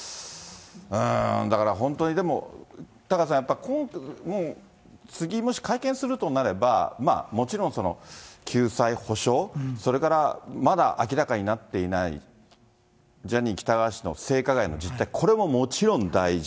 だから本当にでも、タカさん、次もし会見するとなれば、もちろん救済、補償、それからまだ明らかになっていないジャニー喜多川氏の性加害の実態、これももちろん大事。